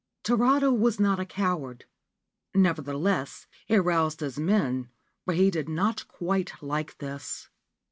Tarada was not a coward ; nevertheless, he aroused his men, for he did not quite like this.